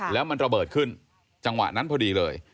แล้วมันระเบิดขึ้นจังหวะนั้นพอดีเลย